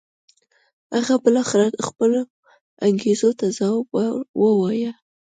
هغه بالاخره خپلو انګېزو ته ځواب و وایه.